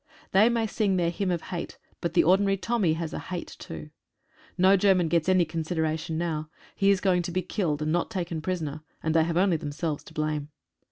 They may sing their Hymn of Hate, but the ordinary Tommy has a Hate too. No German gets any consideration now. He is going to be killed, and not taken prisoner, and they have only themselves to blame.